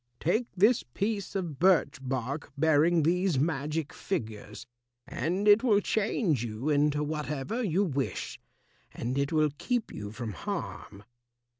Take this piece of birch bark bearing these magic figures, and it will change you into whatever you wish, and it will keep you from harm."